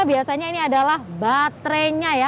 biasanya ini adalah baterainya